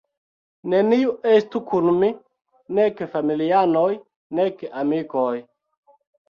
Neniu estu kun mi, nek familianoj nek amikoj.